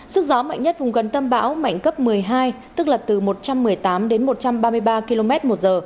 sức gió mạnh nhất vùng gần tâm bão mạnh cấp một mươi hai tức là từ một trăm một mươi tám đến một trăm ba mươi ba km một giờ